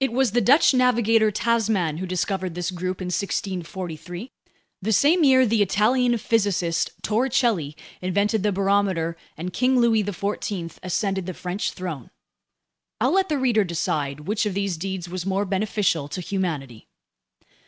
It was the Dutch navigator Tasman who discovered this group in 1643, the same year the Italian physicist Torricelli invented the barometer and King Louis XIV ascended the French throne. I'll let the reader decide which of these deeds was more beneficial to humanity.